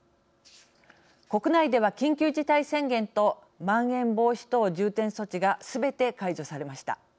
国内では緊急事態宣言とまん延防止等重点措置がすべて解除されました。